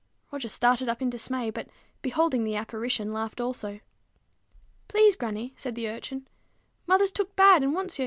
Roger started up in dismay, but, beholding the apparition, laughed also. "Please, grannie," said the urchin, "mother's took bad, and want's ye."